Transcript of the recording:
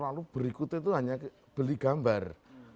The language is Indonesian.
lalu berikutnya itu hanya beli gambar